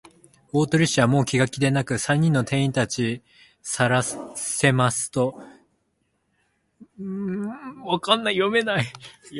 大鳥氏は、もう気が気でなく、三人の店員たちをたちさらせますと、門野支配人とふたりで、大急ぎで畳をあけ、床板をはずし、それから、支配人に